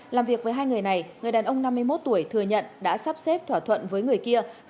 làm việc với hai người này người đàn ông năm mươi một tuổi thừa nhận đã sắp xếp thỏa thuận với người kia